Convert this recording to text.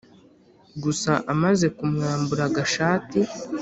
gusa amaze kumwambura agashati